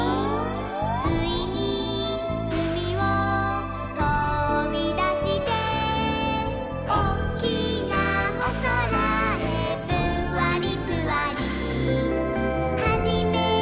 「ついにうみをとびだして」「おっきなおそらへぷんわりぷわり」「はじめまして